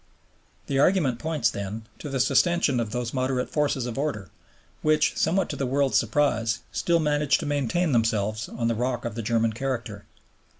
The argument points, then, to the sustentation of those moderate forces of order, which, somewhat to the world's surprise, still manage to maintain themselves on the rock of the German character.